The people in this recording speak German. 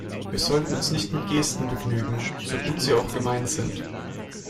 Wir sollten uns nicht mit Gesten begnügen, so gut sie auch gemeint sind.